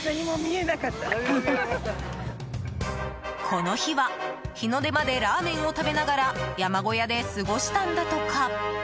この日は、日の出までラーメンを食べながら山小屋で過ごしたんだとか。